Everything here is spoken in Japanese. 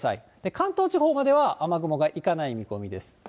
関東地方までは雨雲が行かない見込みです。